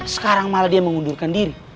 sekarang malah dia mengundurkan diri